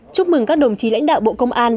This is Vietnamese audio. chúc mừng các đồng chí lãnh đạo bộ công an